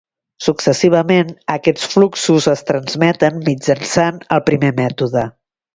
Successivament, aquests fluxos es transmeten mitjançant el primer mètode.